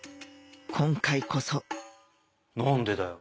今回こそ何でだよ。